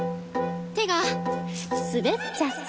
手が滑っちゃった。